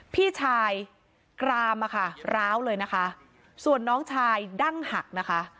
พี่ชายกรามอะค่ะร้าวเลยนะคะส่วนน้องชายดั้งหักนะคะ